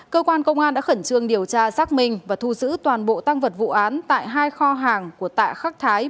cơ quan công an đã khẩn trương điều tra xác minh và thu giữ toàn bộ tăng vật vụ án tại hai kho hàng của tạ khắc thái